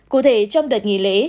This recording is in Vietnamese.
cụ thể trong đợt nghỉ lễ